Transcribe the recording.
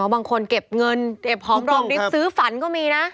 บางคนเก็บเงินเก็บหอมรอมริบซื้อฝันก็มีนะ